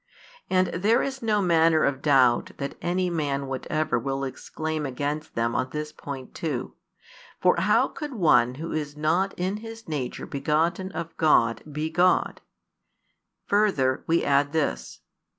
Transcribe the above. And there is no manner of doubt that any man whatever will exclaim against them on this point too; for how could one who is not in his nature begotten of God be God? Further, we add this.